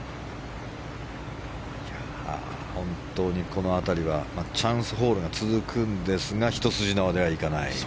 本当に、この辺りはチャンスホールが続くんですがひと筋縄ではいかない。